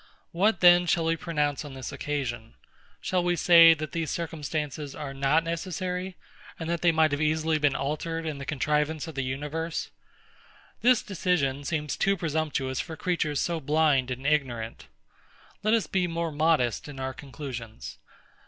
What then shall we pronounce on this occasion? Shall we say that these circumstances are not necessary, and that they might easily have been altered in the contrivance of the universe? This decision seems too presumptuous for creatures so blind and ignorant. Let us be more modest in our conclusions.